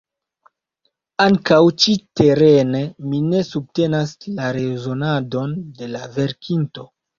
Ankaŭ ĉi-terene mi ne subtenas la rezonadon de la verkinto.